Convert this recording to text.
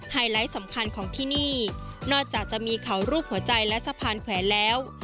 ไลท์สำคัญของที่นี่นอกจากจะมีเขารูปหัวใจและสะพานแขวนแล้ว